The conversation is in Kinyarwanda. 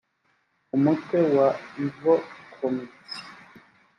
umutwe wa iv komite